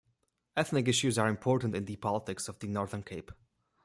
Ethnic issues are important in the politics of the Northern Cape.